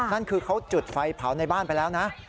นั่นคือเขาจุดไฟเผาในบ้านไปแล้วนะ